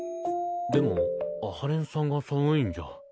でも阿波連さんが寒いんじゃ。